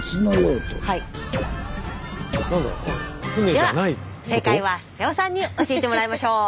では正解は瀬尾さんに教えてもらいましょう！